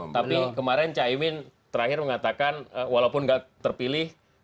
tapi kemarin cahimin terakhir mengatakan walaupun enggak terpilih